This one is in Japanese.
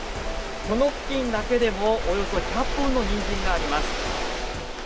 この付近だけでも、およそ１００本のニンジンがあります。